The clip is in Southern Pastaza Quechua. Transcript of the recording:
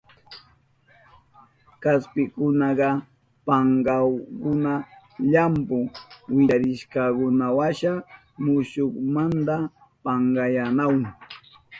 Kaspikunaka pankankuna llampu wicharishkankunawasha mushumanta pankayanahun.